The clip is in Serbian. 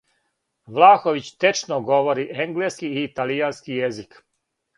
Влаховић течно говори енглески и италијански језик.